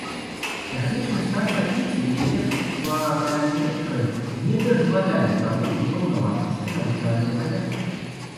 Тэхнічны стан цяпліцы і яе параметры не дазвалялі праводзіць паўнавартасныя навучальныя заняткі.